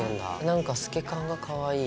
なんか透け感がかわいい。